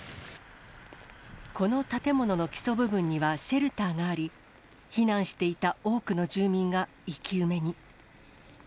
この建物の基礎部分にはシェルターがあり、避難していた多くの住民が生き埋めに。